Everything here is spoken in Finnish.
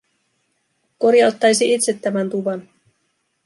Korjauttaisi itse tämän tuvan.